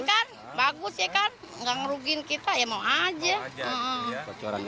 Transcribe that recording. kan bagus ya kan nggak ngerugin kita